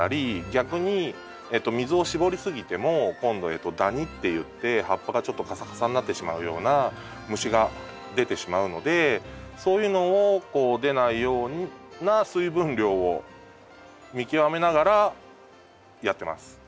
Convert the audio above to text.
逆に水をしぼりすぎても今度ダニっていって葉っぱがちょっとカサカサになってしまうような虫が出てしまうのでそういうのを出ないような水分量を見極めながらやってます。